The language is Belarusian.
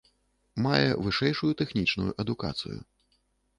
Мае вышэйшую тэхнічную адукацыю.